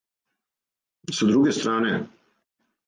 Са друге стране?